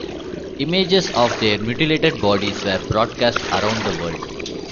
Images of their mutilated bodies were broadcast around the world.